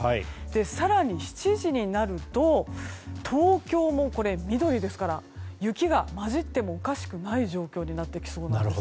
更に、７時になると東京も緑ですから雪が交じってもおかしくない状況になってきそうなんです。